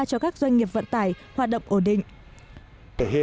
cho các doanh nghiệp vận tải hoạt động ổn định